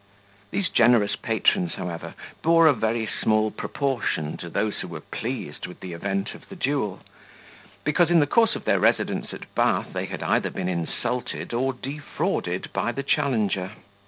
These generous patrons, however, bore a very small proportion to those who were pleased with the event of the duel; because, in the course of their residence at Bath, they had either been insulted or defrauded by the challenger.